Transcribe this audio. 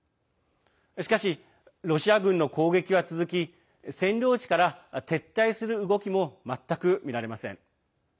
しかし、ロシア軍の攻撃は続き占領地から撤退する動きも全く見られません。